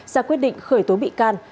ra quyết định khởi tố bị can